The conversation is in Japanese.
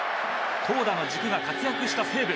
投打の軸が活躍した西武。